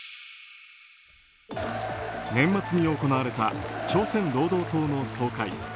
年末に行われた朝鮮労働党の総会。